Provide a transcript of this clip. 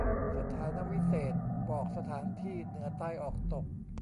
สถานวิเศษณ์ บอกสถานที่ เหนือ ใต้ ออก ตก